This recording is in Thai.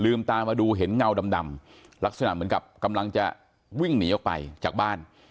ตามาดูเห็นเงาดำลักษณะเหมือนกับกำลังจะวิ่งหนีออกไปจากบ้าน